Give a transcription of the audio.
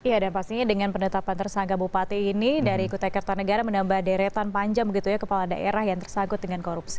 iya dan pastinya dengan penetapan tersangka bupati ini dari kutai kertanegara menambah deretan panjang begitu ya kepala daerah yang tersangkut dengan korupsi